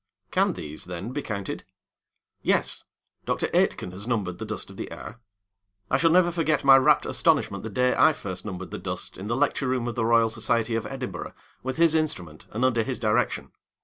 Can these, then, be counted? Yes, Dr. Aitken has numbered the dust of the air. I shall never forget my rapt astonishment the day I first numbered the dust in the lecture room of the Royal Society of Edinburgh, with his instrument and under his direction.